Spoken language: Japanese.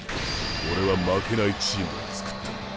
オレは負けないチームをつくった！